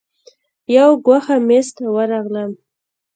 یو ګوښه میز ته ورغلم.